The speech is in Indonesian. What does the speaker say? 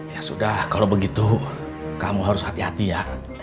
ya sudah kalau begitu kamu harus hati hati ya